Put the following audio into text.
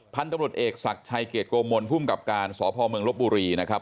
พันธุ์ตำรวจเอกศักดิ์ไทยเกียรติโกรมมนต์ภูมิกับการศพลบบุรีนะครับ